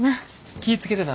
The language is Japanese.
気ぃ付けてな。